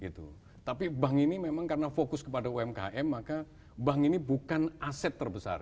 tapi bank ini memang karena fokus kepada umkm maka bank ini bukan aset terbesar